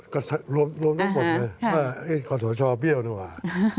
ก็รวมทั้งหมดว่าก่อนสตร์ชอบเบี้ยวน่ะว่า